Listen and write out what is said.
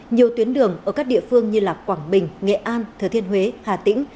nhiều tuyến đường ở các địa phương như quảng bình nghệ an thừa thiên huế hà tĩnh